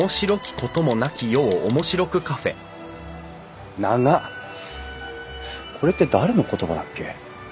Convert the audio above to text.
これって誰の言葉だっけ？